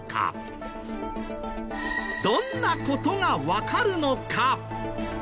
どんな事がわかるのか？